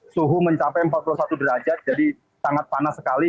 suhu mencapai empat puluh satu derajat jadi sangat panas sekali